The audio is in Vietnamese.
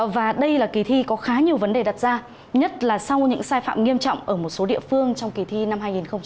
và đây là kỳ thi có khá nhiều vấn đề đặt ra nhất là sau những sai phạm nghiêm trọng ở một số địa phương trong kỳ thi năm hai nghìn một mươi tám